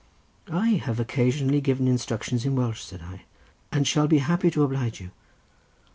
"'I have occasionally given instructions in Welsh,' said I, 'and shall be happy to oblige you.